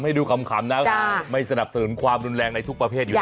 ให้ดูขำนะไม่สนับสนุนความรุนแรงในทุกประเภทอยู่แล้ว